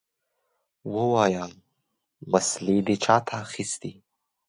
ووايه! وسلې دې چاته اخيستې؟